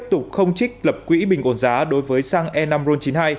công thương tiếp tục không trích lập quỹ bình ổn giá đối với xăng e năm ron chín mươi hai